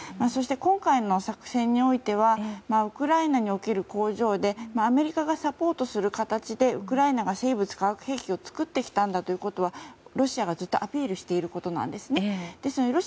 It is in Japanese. そして、今回の作戦においてはウクライナにおける工場でアメリカがサポートする形でウクライナが生物・化学兵器を作ってきたんだということはロシアがずっとアピールしていることなんですね。